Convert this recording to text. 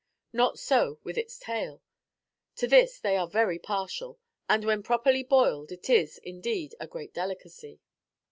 Not so with its tail. To this they are very partial; and, when properly boiled, it is, indeed, a great delicacy.